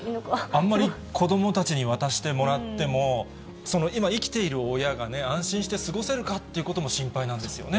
あんまり子どもたちに渡してもらっても、その今、生きている親が、安心して過ごせるかということも心配なんですよね。